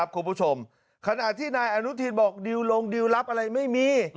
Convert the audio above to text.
ขนาดที่นายอนุทีนบอกปัดโดยรับอะไรไม่มี